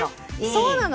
そうなの。